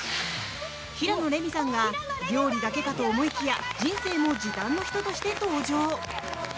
平野レミさんが料理だけかと思いきや人生も時短の人として登場。